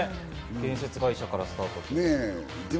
建設会社からスタ